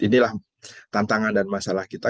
inilah tantangan dan masalah kita